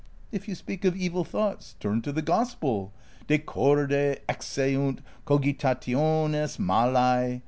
If you speak of evil thoughts, turn to the Gospel : De corde exeunt cogitafioties mala'.